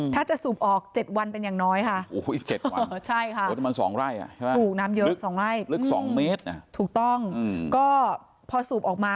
ถ้าจะสูบออก๗วันเป็นอย่างน้อยค่ะ